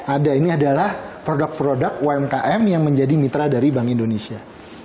ada ini adalah produk produk umkm yang menjadi mitra dari bank indonesia